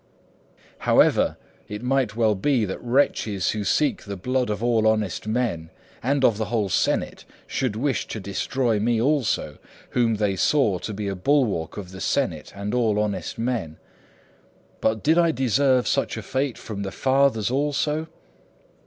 However, it might well be that wretches who seek the blood of all honest men and of the whole senate should wish to destroy me also, whom they saw to be a bulwark of the senate and all honest men. But did I deserve such a fate from the Fathers also?